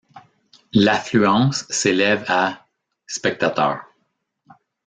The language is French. L'affluence s'élève à spectateurs.